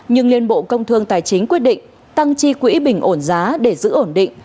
nhưng liên bộ công thương tài chính quyết định tăng chi quỹ bình ổn giá để giữ ổn định